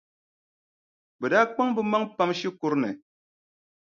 Bɛ daa kpaŋ bɛ maŋa pam shikuru ni.